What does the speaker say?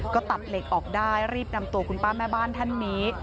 ก็ตัดเหล็กออกได้รีบนำตัวคุณป้าแม่บ้านท่านนี้